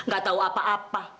gak tahu apa apa